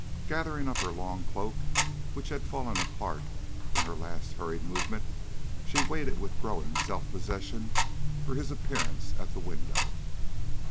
Gathering up her long cloak, which had fallen apart in her last hurried movement, she waited with growing self possession for his appearance at the window.